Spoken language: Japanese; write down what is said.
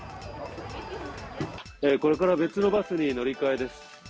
これから別のバスに乗り換えです。